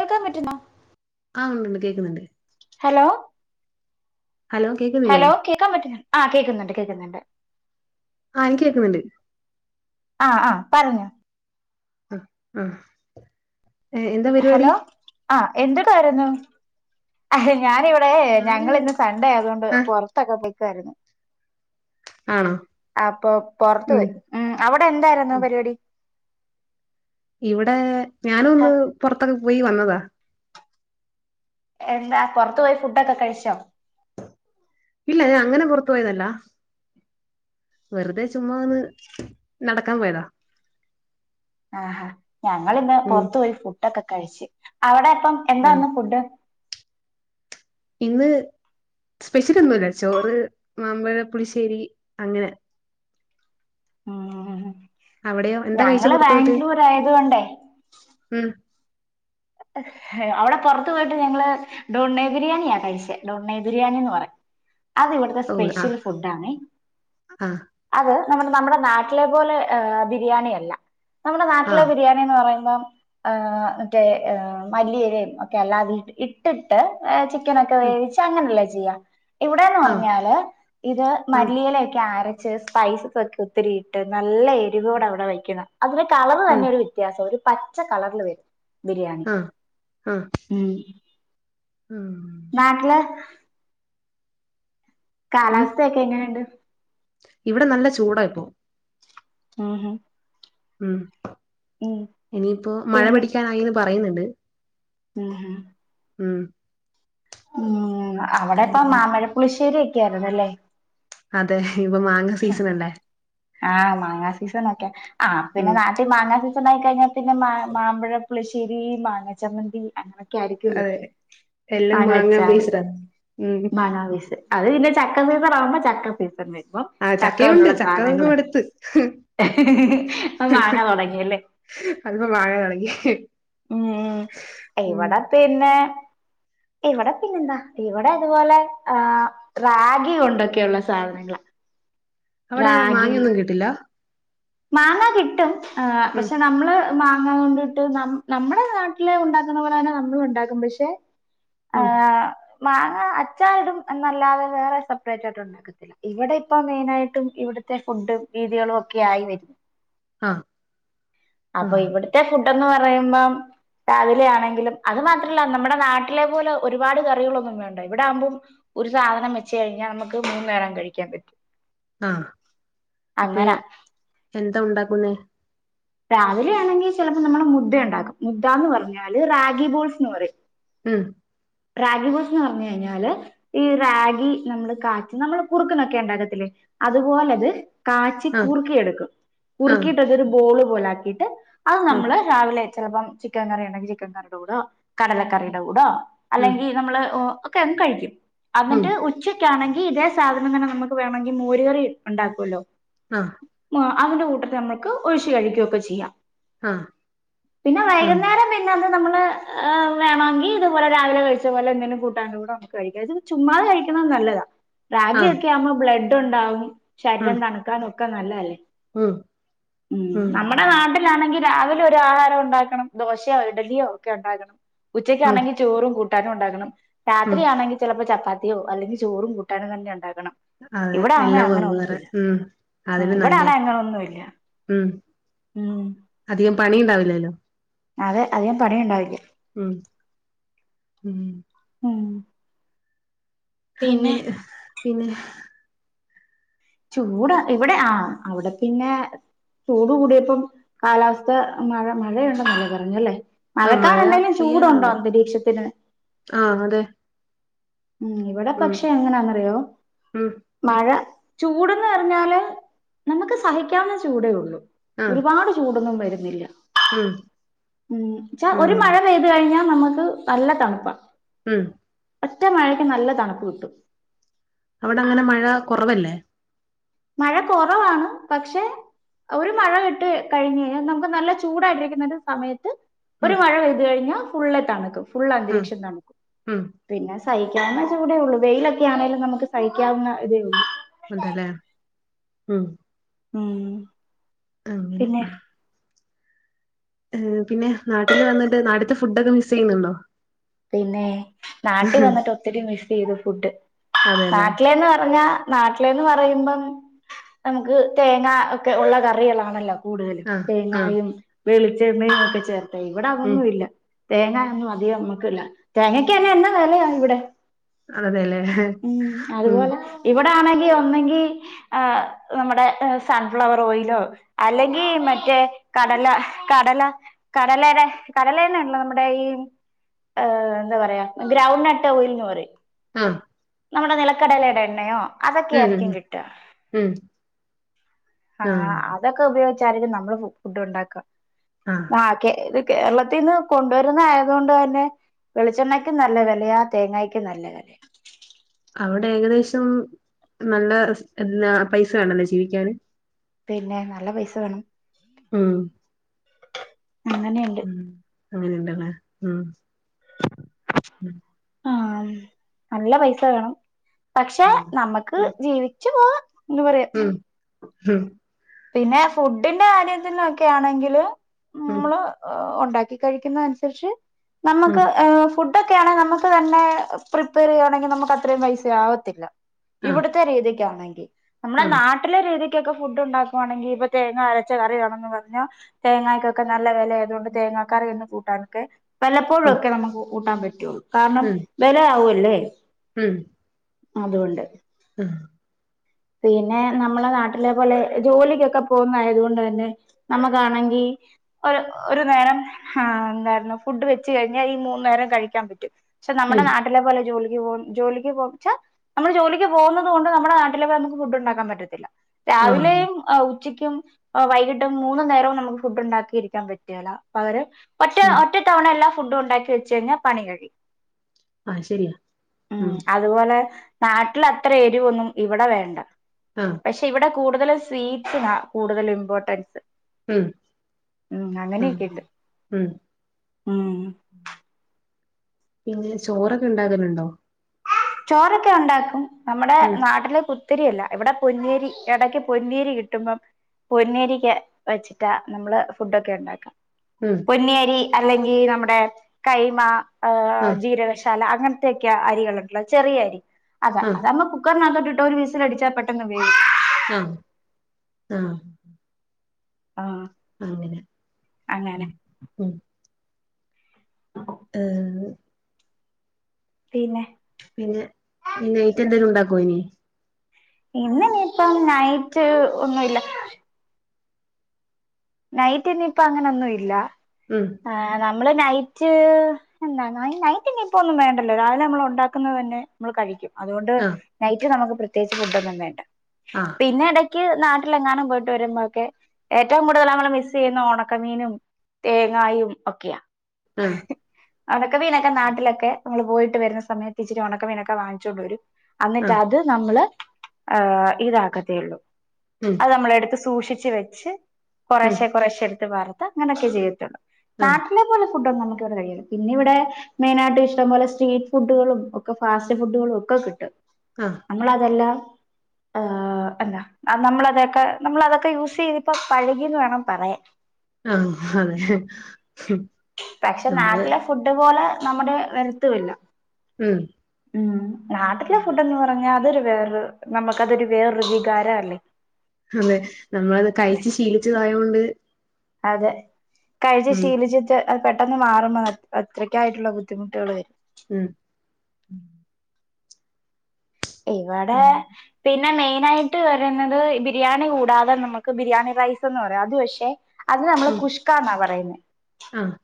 കൊക്കാമ്പറ്റുന്നോ ആഹ് ഉണ്ട് ഉണ്ട് കേൾക്കുന്നുണ്ട് ഹലോ ഹലോ കേക്കുന്നില്ലേ ഹലോ കേൾക്കാൻ പറ്റുന്നൊ ആഹ് കേൾക്കുന്നുണ്ട് കേൾക്കുന്നുണ്ട് ആഹ് എനിക്ക്‌ കേക്കുന്നുണ്ട് ആഹ് ആഹ് പറഞ്ഞോ ആഹ് ആഹ് എ എന്താ പരിപാടി ആഹ് എന്ത് കാരുന്നു അഹ് ഞാനിവിടെ ഞാന് ഞങ്ങളിന്ന് സൺഡേ ആയതൊണ്ട് ആഹ് പൊറത്തൊക്കെ പൊയ്ക്കുവായിരുന്നു ആണോ അപ്പൊ പൊറത്ത് പോയി ഉം അവിടെ എന്തായിരുന്നു ഉം പരിപാടി ഇവിടെ ഞാനും ഒന്ന് പുറത്തൊക്കെ പോയി വന്നതാ എന്താ പുറത്തു പോയി ഫുഡൊക്കെ കഴിച്ചോ ഇല്ല ഞാൻ അങ്ങനെ പുറത്ത് പോയതല്ലാ വെറുതെ ചുമ്മാ ഒന്ന് നടക്കാൻ പോയതാ ആഹാ ഞങ്ങളിന്ന് ഉം പൊറത്ത് പോയി ഫുഡൊക്കെ കഴിച്ച് അവിടെ അപ്പം എന്താ ആഹ് ന്ന് ഫുഡ് ഇന്ന് സ്പെഷ്യൽ ഒന്നുല്ല ചോറ് മാമ്പഴ പുളിശ്ശേരി അങ്ങനെ ഉം അവിടെയോ എന്താ കഴിച്ചെ ഞങ്ങള് പുറത്തു പോയിട്ട് ബാംഗ്ലൂർ ആയതുകൊണ്ടേ ഉം അവിടെ പുറത്തു പോയിട്ട് ഞങ്ങള് ഡോണ്ണേ ബിരിയാണിയാ കഴിച്ചേ ഡോണ്ണേ ബിരിയാണി എന്ന് പറയും അത് ഇവിടുത്തെ ഓഹ് സ്പെഷ്യൽ ആഹ് ഫുടാണെ ആഹ് അത് നമ്മ് നമ്മുടെ നാട്ടിലെ പോലെ ഹേ ബിരിയാണിയല്ല. നമ്മുടെ നാട്ടിലെ ആഹ് ബിരിയാ ന്ന് പറയുമ്പം ആഹ് മറ്റെ ആഹ് മല്ലിയിലയും ഒക്കെ അല്ലാം വി ഇട്ട്ട്ട് ഏഹ് ചി ക്കനൊക്കെ ഉം വേവിച്ച് അങ്ങനെല്ലെ ചെയ്യാ. ഇവടേന്ന് ആഹ് പറഞ്ഞാല് ഇത് ഉം മല്ലിയലൊക്കെ അരച്ച് പൈസ് സൊക്കെ ഒത്തിരിയിട്ട് നല്ല എരിവോട ഇവടെ വയ്ക്കുന്നെ. അതിന്റെ കളറ് ഉം തന്നെ ഒരു വി ത്യാസാ. ഒരു പച്ച കളർല് വരും ബിരിയാണി. ആഹ് ആഹ് ഉം ഉം നാട്ട്‌ലെ ഉം, കാലാവസ്ഥയൊക്കെ എങ്ങനെണ്ട്? ഇവിടെ നല്ല ചൂടാ ഇപ്പൊ ആഹാ ഉം ഇനിയിപ്പൊ മഴ പിടിക്കാനായീന്ന് പറയ്ന്ന്ണ്ട്. ഉം ഉം ഉം ഉം അവടെയപ്പം അങ്ങനെ മാമ്പഴപ്പുളിശ്ശേരി ഒക്കെ ആയിരുന്നല്ലെ. അതെ. ഇപ്പം മാങ്ങ സീസണല്ലെ. ആഹ് മാങ്ങാ സീസണൊക്കെ. ആ ഹ് ഉം പിന്നെ നാട്ടീ മാങ്ങാ സീ ണൊക്കെ ങെക്ക് മാ മാമ്പഴ പുളശ്ശേരി, മാങ്ങച്ചമ്മന്തി അങ്ങനെ രിക്കുള്ളു അതെ എല്ലാം മാങ്ങാ മാങ്ങ അച്ചാറ്, ബേസ്ഡാ ഉം മാങ്ങാ വിസ് അത് പിന്നെ ചക്ക സീസണാ വുമ്പൊ ചക്ക സീസൺന്ന്. പ്പൊ ആ ചക്ക ചക്കയുണ്ട് കൊണ്ടുള്ള ചക്ക സാധനങ്ങ മടുത്ത് പ്പൊ മാങ്ങ തൊടങ്ങിയല്ലെ. അതിപ്പൊ മാങ്ങ തൊടങ്ങി. ഉം ഇവടെ പിന്നെ ഇവടെ പിന്നെന്താ ഇവടെ തുപോലെ ആഹ് റാഗി കൊണ്ടൊക്കെയുള്ള സാധനങ്ങള് അവടെ മാങ്ങയൊന്നും കിട്ടില്ലാ? മാങ്ങ കിട്ടും. ആഹ് ഉം പക്ഷെ നമ്മള് മാങ്ങ കിട്ടും. നമ് നമ്മടെ നാട്ടില് ണ്ടാക്കുന്ന പോലെ തന്നെ നമ്മൾ ണ്ടാക്കും. പക്ഷെ ഉം ആഹ് മാങ്ങ അച്ചാർടും എന്നല്ലാതെ വേറെ സപ്റേറ്റ് ആയിട്ട് ഉണ്ടാക്ക് ല്ല. ഇവടെ ഇപ്പം മെയ്നായിട്ടും ഇവ്ട്ത്തെ ഫുഡും രീതികളും ഒക്കെ ആയി വെ ആഹ് അപ്പൊ ആഹ് ഇവ്ട്ത്തെ ഫുഡെന്ന് പറയുമ്പം രാവിലെ ആണെങ്കിലും അത് മാത്രല്ല നമ്മടെ നാട്ടിലെ പോലെ ഒരുപാട് കറികളൊന്നും വേണ്ട. ഇ വ്ടെ ആവ്മ്പം ഒര് സാധനം വെച്ച് കഴിഞ്ഞാ നമുക്ക് മൂന്ന് നേരം കഴിക്കാം പറ്റും. ആഹ്. അപ്പേ അങ്ങനാ എന്താ ഉണ്ടാക്ക്ന്നെ? രാവിലെ യാണെങ്കി ചെലപ്പൊ നമ്മള് മുദ്ദ യുണ്ടാക്കും. മുദ്ദാന്ന് പർഞ്ഞാല് റാഗി ബോൾസ്ന്ന് പറയും. ആഹ് റാഗി ബോൾസ്ന്ന് പർഞ്ഞെ ഴിഞ്ഞാല് ഈ റാഗി നമ്മള് കാച്ചും. നമ്മള് കുറുക്ക്നൊക്കെ ണ്ടാക്കത്തില്ലെ അതുപോലെ ത് കാച്ചി ആഹ് കുറുക്കിയെടുക്കും. ആഹ് കുറുക്കിയിട്ടതൊരു ബോള് പോലെ ആക്കിട്ട് അത് ഉം നമ്മള് രാവിലെ ചെലപ്പം ചിക്കൻ കറി ണ്ടെങ്കി ചിക്കൻ കറിയുടെ കൂടെയൊ, കടലക്കറിയുടെ കൂടോ ഉം അല്ലെങ്കി നമ്മള് ഓ ഒക്കെ അങ് കഴിക്കും. ഉം അന്ന്ട്ട് ഉ.... ഉച്ചയ്ക്കാണെങ്കി ഇതേ സാധനം തന്നെ നമുക്ക് വേണെങ്കി മോരുകറി ണ്ടാക്കൊല്ലൊ ആഹ് [unintelligible] അതിന്റെ കൂട്ടത്ത് നമ്മൾക്ക് ഒഴിച്ച് കഴിക്കു ഒക്കെ ചെയ്യാ. ആഹ് പിന്നെ ആഹ് വൈകുന്നേരം പിന്നെ എന്താ നമ്മള് ഏഹ് വേണമെങ്കിൽ ഇതുപോലെ രാവിലെ കഴിച്ച പോലെ എന്തെങ്കിലും കൂട്ടാന്റെ കൂടെ നമ്മക്ക് കഴിക്കാ. ഇത് ചുമ്മാ കഴിക്ക്ണത് നല്ലതാ. റാഗി ആഹ് ഒക്കെ ആവുമ്പോ ബ്ലഡ് ഉണ്ടാവും, ഉം ശരീരം തണുക്കാനും ഒക്കെ നല്ലതല്ലേ. ഉം ഉം നമ്മ മ്മള നാട്ടിലാണെങ്കിൽ രാവിലെ ഒരു ആഹാരം ഉണ്ടാക്കണം ദോശയോ ഇഡലിയോ ഒക്കെ ഉണ്ടാക്കണം. ഉം ഉച്ചക്കാണെങ്കിൽ ചോറും കൂട്ടാനും ഉണ്ടാകണം ഉം രാത്രിയാണെങ്കിൽ ചിലപ്പോ ചപ്പാത്തിയോ അല്ലെങ്കിൽ ചോറും കൂട്ടാനും തന്നെ ഉണ്ടാക്കണം. ആഹ്, ഇവിടെ അതെ ആണെ എല്ലാം അങ്ങനെ വെവ്വേറെ ഒന്നുമില്ല ഉം, ഉം അതല്ലേ ഇവിടെ നല്ലേ, ആണെ അങ്ങനെ ഒന്നുമില്ല ഉം ഉം അധികം പണി ഇണ്ടാവില്ലല്ലോ? അതെ അധികം പണി ഇണ്ടാവില്ല. ഉം, ഉം ഉം പിന്നെ അങ്ങനെ, പിന്നെ ചൂട ഇവിടെ ആഹ് അവിടെ പിന്നെ ചൂട് കൂടിയപ്പം കാലാവസ്ഥ മഴ മഴ ഇണ്ടെന്നല്ലേ പറഞ്ഞ് അല്ലേ. ആ മഴക്കാർ മഴ ഇണ്ടെങ്കിലും ചൂടുണ്ടോ അന്തരീക്ഷത്തിന്? ആഹ്, അതെ ഉം, ഇവിടെ ഉം പക്ഷെ എങ്ങനാന്നറിയോ? ഉം മഴ ചൂട്ന്ന് പറഞ്ഞാല് നമുക്ക് സഹിക്കാവുന്ന ചൂടേ ഒള്ളൂ. ആ ഒരുപാട് ചൂടൊന്നും വരുന്നില്ല. ഉം ഉം [unintelligible] ഒരു ഉം മഴ പെയ് ത് കഴിഞ്ഞാൽ നമുക്ക് നല്ല തണുപ്പാ. ഉം ഒറ്റ മഴയ്ക്ക് നല്ല തണുപ്പ് കിട്ടും. അവിടെ അങ്ങനെ മഴ കുറവല്ലേ? മഴ കുറവാണ് പക്ഷെ ഒരു മഴ ഇട്ട് കഴിഞ്ഞ് ഏഹ്, നമുക്ക് നല്ല ചൂടായിട്ടിരിക്കുന്ന ഒരു സമയത്ത് ഒരു ഉം മഴ പെയ്തു കഴിഞ്ഞാൽ ഫുള്ള് തണുക്കും, ഫുള്ള് ഉം അന്തരീക്ഷം തണുക്കും. ഉം പിന്നെ സഹിക്കാവുന്നച്ചൂടെ ഒള്ളൂ വെയിലൊക്കെ ആണേലും നമുക്ക് സഹിക്കാവുന്ന ഇതേ ഒള്ളൂ. ഉണ്ടല്ലേ, ഉം ഉം. അങ്ങനെ പിന്നെ, ഏഹ് പിന്നെ നാട്ടില് വന്നിട്ട് നാട്ട്ത്തെ ഫുഡൊക്കെ മിസ്സ്‌ ചെയ്യുന്നുണ്ടോ? പിന്നെ നാട്ടിൽ വന്നിട്ട് ഒത്തിരി മിസ്സ് ചെയ്തു ഫുഡ്. അതെല്ലേ നാട്ടിലേന്ന് പറഞ്ഞാ നാട്ടില ന്ന് പറയുമ്പം നമുക്ക് തേങ്ങ ഒക്കെ ഉള്ള കറികളാണല്ലോ കൂടുതലും ആ ആ തേങ്ങായും വെളിച്ചെണ്ണയും ഒക്കെ ചേർത്ത ഇവിടെ ഉം അതൊന്നു ഇല്ല. തേങ്ങ ഒന്നും അധികം നമ്മക്ക് ഇല്ല. തേങ്ങക്ക് തന്നെ എന്ന വിലയാണ് ഇവിടെ. അതെല്ലേ ഉം ഉം അതുപോലെ ഇവിടെ ആണെങ്കിൽ ഒന്നെങ്കിൽ ആഹ്, നമ്മുടെ സൺഫ്ലവർ ഓയിലോ, അല്ലെങ്കിൽ മറ്റേ കടല, കടല കടലേടെ കടല തന്നെ അല്ലേ നമ്മുടെ ഈ ഏഹ്, എന്താ പറയ് ഗ്രൗണ്ട് നട്ട് ഓയിൽ എന്ന് പറയും. ആഹ്. നമ്മുടെ നിലക്കടലയുടെ എണ്ണയോ അതൊക്കെ ഉം ആയിരിക്കും ഉം കിട്ടുക. ഉം ആ ആഹ് അതൊക്കെ ഉപയോഗിച്ചായിരിക്കും നമ്മള് ഫുഡ് ഉണ്ടാക്ക ആഹ് ആഹ് കേ കേരളത്തിന്ന് കൊണ്ടോര്ന്നെ ആയതോണ്ട് തന്നെ വെളിച്ചെണ്ണയ്ക്കും നല്ല വേലയാ തേങ്ങക്കും നല്ല വേലയാ അവടെ ഏകദേശം നല്ല എ പൈസ വേണല്ലേ ജീവിക്കാന് പിന്നെ നല്ല പൈസ വേണം ഉം അങ്ങനെണ് ഉം അങ്ങനെ ഇണ്ടലെ ഉം ഉം ആഹ് നല്ല പൈസ വേണം പക്ഷെ ആഹ് നമ്മക്ക് ഉം ജീവിച്ചു പോവ ഇന്ന് പറയാ [unintelligible] പിന്നെ ഫുഡിന്റെ കാര്യത്തിനൊക്കെ ആണെങ്കില് ഉം ഉം നമ്മള് ഉണ്ടാക്കി കഴിക്കുന്ന അനുസരിച്ച് ഉം നമ്മക്ക് ഫുഡ് ഇക്യാണ് നമ്മക്ക് തന്നെ പ്രിപ്പയർ ചെയ്യണെങ്കി നമ്മക്ക് അത്രയും പൈസ ആവത്തില്ല ആഹ് ഇവിട തെ രീതിക്കാണെങ്കി നമ്മളെ ആഹ് നാട്ടിലെ രീതിക്കൊക്കെ ഫുഡ് ഇണ്ടാ പോവാണെങ്കിൽ ഇപ്പൊ തേങ്ങാ അരച്ച കറിയാണെന്ന് പറഞ്ഞ തേങ്ങായ്ക്കൊക്കെ നല്ല വെല ആയതുകൊണ്ട് തേങ്ങാ കറി ഒന്ന് കൂട്ടാന്ക്ക് ഉം പലപ്പോഴുഒക്കെ നമ്മക്ക് കൂട്ടാൻ പറ്റുള്ളൂ കാരണം ഉം വിലയാവുല്ലേ ഉം അതുകൊണ്ട് ഹ് പിന്നെ നമ്മളെ നാട്ടിലെ പോലെ ജോലിക്കൊക്കെ പോകുന്ന ആയത് കൊണ്ട് തന്നെ നമുക്കാണങ്കി ഒരു ഒരു നേരം ആഹ് എന്തായിരുന്നു ഫുഡ് വെച്ച് കഴിഞ്ഞാൽ ഈ മൂന്നു നേരം കഴിക്കാൻ പറ്റും ക്ഷ നമ്മടെ ഉം നാട്ടിലെ പോലെ ജോലിക്ക് പോ ജോലിക്ക് പോ ച്ച നമ്മള് ജോലിക്ക് പോവുന്നത് കൊണ്ട് നമ്മുടെ നാട്ടില് ഇവിടെ നമുക്ക് ഫുഡ് ഉണ്ടാക്കാൻ പറ്റത്തില്ല ആഹ് രാവിലെയും ഉച്ചക്കും വൈകിട്ടും മൂന്നു നേരവും നമുക്ക് ഫുഡ് ഉണ്ടാക്കിരിക്കാൻ പറ്റെല്ല അവര് ഒറ്റ ഉം ഒറ്റത്തവണ എല്ലാ ഫുഡും ഉണ്ടാക്കി വെച്ച് കഴിഞ്ഞാ പണി കഴിയ്യും ആഹ് ശരിയാ ഉം അതുപോലെ നാട്ടിൽ അത്ര ഏരിവുന്നും ഇവടെ വേണ്ട ആഹ് പക്ഷെ ഇവിടെ കൂടുതലും സ്വീറ്റ്സിനാ കൂടുതലും ഇമ്പോട്ടൻസ് ഉം ഉം ആഹ് അങ്ങനെയൊക്കെണ്ട് ഉം ഉം പിന്നെ ചോറക്കെ ഇണ്ടാക്കല്ണ്ടോ ചോറൊക്കെ ഉണ്ടാക്കും നമ്മടെ ഉം നാട്ടിലെ കു തെരിയല്ല, ഇവിടെ പൊനെരി എടക്ക് പൊനെരി കിട്ടുമ്പം. പൊനെരി കേ വെച്ചിട്ടാ നമ്മള് ഫുഡ് ഒക്കെ ഉണ്ടാക്കാ ഉം പൊന്നിയരി അല്ലെങ്കി നമ്മുടെ കൈമ ജീരകശാല അങ്ങന തെക്യ അരി വെള്ളതില്, ചെറിയ അരി അതാ ആഹ് അതാവുമ്പോ കുക്കറിനകത്തോട്ട് ഇട്ട് ഒരു വിസിൽ അടിച്ചാൽ പെട്ടെന്ന് ഉപയോകി ആഹ് ആഹ് ആഹ് അങ്ങനെ ഉം ഉം [inaudible] ഈഹ്. പിന്നെ? പിന്നെ, ഇനി നൈറ്റ് എന്തേലും ഉണ്ടാക്കോ ഇനി? ഇന്ന് ഇനിയിപ്പം നൈറ്റ് ഒന്നുല്ല. നൈറ്റിന് ഇപ്പ അങ്ങനെയൊന്നു ഇല്ല. ഉം. ആഹ് നമ്മള് നൈറ്റ് അല്ല. നൈറ്റ് ഇനിയിപ്പോ ഒന്നും വേണ്ടല്ലോ. രാവിലെ നമ്മള് ഉണ്ടാക്കുന്നത് തന്നെ നമ്മൾ കഴിക്കും. അതുകൊണ്ട് ആഹ് നൈറ്റ് നമുക്ക് പ്രത്യേകിച്ച് ഫുഡ്ഡൊന്നും വേണ്ട. ആഹ് പിന്നെട ക്ക് നാട്ടിലെങ്ങാനും പോയിട്ട് വരുമ്പോക്കെ ഏറ്റവും കൂടു തല് നമ്മള് മിസ് ചെയ്യുന്നെ ഒണക്കമീനും തേങ്ങായും ഒക്കെയാ. അഹ്. ഒണക്കമീനൊക്കെ നാട്ടിലൊക്കെ നമ്മള് പോയിട്ട് വരുന്ന സമയത്ത് ഇച്ചിരി ഒണക്ക മീനൊക്കെ വാങ്ങിച്ചുകൊണ്ടു വരും. എന്നിട്ട് ആഹ് അത് നമ്മള് ഏഹ് ഇതാക്കത്തെ ഉള്ളൂ. ഉം. അത് നമ്മള് എടുത്ത് സൂക്ഷിച്ച് വെച്ച് ഉം കൊറേശ്ശെ കൊറേശ്ശെ എടുത്ത് വറുത്ത് അങ്ങനെയൊക്കേ ചെയ്യത്തുള്ളു. ആഹ് നാട്ടി നല്ലപോലെ ഫുഡ്ഡൊന്നും നമുക്കിവിടെ കഴിയൂല. പിന്നെ ഇവിടെ മെയിനായിട്ട് ഇഷ്ടം പോലെ സ്ട്രീറ്റ് ഫുഡ്ഡുകളും ഒക്കെ ഫാസ്റ്റ് ഫുഡ്ഡുകളും ഒക്കെ കിട്ടും. ആഹ്. നമ്മളതെല്ലാം, ആഹ് എന്താ, നമ്മളതൊക്കെ നമ്മളതൊക്കെ യൂസ് ചെയ്തി ഇപ്പൊ പഴകീന്ന് വേണം പറയാൻ. ആഹ് അതെ. നമ്മള് ഫുഡ്ഡ് പോലെ നമ്മുടെ വരത്തുവില്ല. ഉം. ഉം നാട്ടിലെ ഫുഡ്ഡെന്ന് പറഞ്ഞാ അതൊരു വേറെ നമുക്കതൊരു വേറൊരു വികാരം അല്ലേ. അതെ. നമ്മളത് കഴിച്ച് ശീലിച്ചതായോണ്ട് അതെ കഴിച്ച് ഉം ശീലിച്ചിട്ട് അത് പെട്ടെന്ന് മാറുമ്പോ അത്രയ്ക്കായിട്ടുള്ള ബുദ്ധിമുട്ടുകൾ വരും. ഉം. ഇവടെ പിന്നെ മെയിനായിട്ട് വരുന്നത് ബിരിയാണി കൂടാതെ നമുക്ക് ബിരിയാണി റൈസ് എന്ന് പറയും. അത് പക്ഷെ അത് നമ്മള് ഉം കുഷ്കാന്നാ പറയുന്നെ. ആഹ്.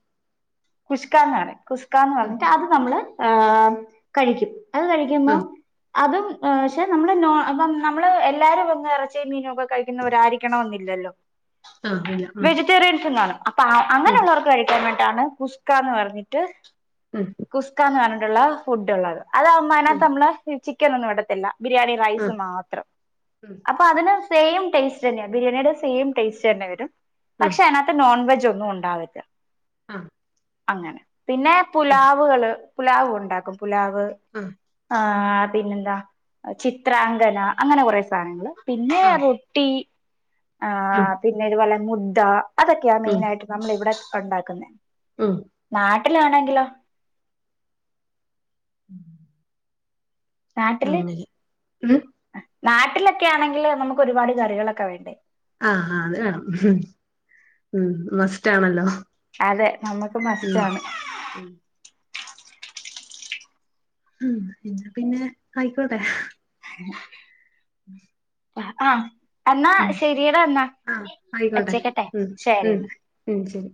കുഷ്കാന്ന് പറയും. കുഷ്കാന്ന് ഉം പറഞ്ഞിട്ട് അത് നമ്മള്, ഏഹ് കഴിക്കും. അത് കഴിക്കുമ്പം ആഹ് അതും, ഈഹ് പക്ഷെ നമ്മള് നോൺ ഇപ്പം നമ്മള് എല്ലാരും അങ്ങ് ഇറച്ചിയും മീനും ഒക്കെ കഴിക്കുന്നവരായിരി ക്കണോന്നില്ലല്ലോ. ആഹ് ഇല്ല ഉം വെജിറ്റേറിയൻസും കാണും. അപ്പൊ അങ്ങനെ ഉം ഉള്ളവർക്ക് കഴിക്കാൻ വേണ്ടിട്ടാണ് കുഷ്കാന്ന് പറഞ്ഞിട്ട്, ഉം കുസ്കാന്ന് പറഞ്ഞിട്ടുള്ള ഫുഡ്ഡുള്ളത്. അതാവു മ്പ അയിനാത്ത് ഉം നമ്മള് ചിക്കൻ ഒന്നും ഇടത്തില്ല. ബിരിയാണി റൈസ് ആഹ് മാത്രം. ഉം അപ്പൊ അതിന് സെയിം ടേസ്റ്റ് തന്നെയാ ബിരിയാണിയുടെ സെയിം ടേസ്റ്റ് തന്നെ വരും. പക്ഷെ അയിനാ ത്ത് നോൺവെജ് ഒന്നും ഉണ്ടാവില്ല. അഹ്. അങ്ങനെ. പിന്നെ പുലാവുകള്, പുലാവ് ഉണ്ടാക്കും പുലാവ് അഹ്. ആ പിന്നെന്താ ചിത്രാങ്കന അങ്ങനെ കുറെ സാധനങ്ങള്ൾ പിന്നെ ആഹ് ആഹ് ട്ടി ആ ഉം പിന്നെതുപോലെ മുദ്ര അതൊക്കെയാ മെയിന ആയിട്ട് നമ്മള ഇവിടെ ഉണ്ടാക്കുന്നത് ആഹ് നാട്ടിലാണെങ്കിലോ ഉം നാട്ടില് ഉം നാട്ടിലൊക്കെ ആണെങ്കില് നമുക്ക് ഒരുപാട് കറികളൊക്കെ വേണ്ടേ ആ അത് വേണം ഉം മസ്റ്റ് ആണല്ലോ അതെ നമ്മക്ക് മസ്റ്റാണ് ഉം ഉം പി പിന്നെ ആയിക്കോട്ടെ ആഹ് എന്നാ ഉം ശരിയടാ എന്നാ ആഹ് ആയിക്കോട്ടെ പച്ചക്കട്ടെ ഉം ശരി ഉം എന്നാ ഉം ശരി